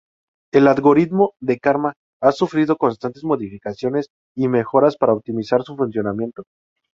El algoritmo de karma ha sufrido constantes modificaciones y mejoras para optimizar su funcionamiento.